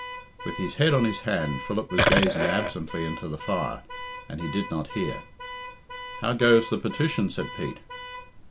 With his head on his hand, Philip was gazing absently into the fire, and he did not hear. "How goes the petition?" said Pete.